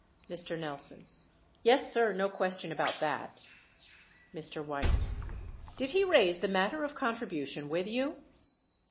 Mr. Nelson. Yes, sir ; no question about that. Mr. Weitz. Did he raise the matter of contribution with you?